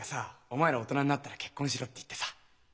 「お前ら大人になったら結婚しろ」って言ってさ。